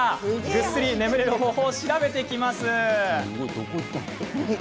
ぐっすり眠れる方法調べてきます。